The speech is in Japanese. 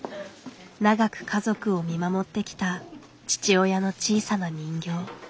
長く家族を見守ってきた父親の小さな人形。